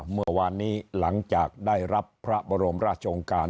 เมื่อวานนี้หลังจากได้รับพระบรมราชองค์การ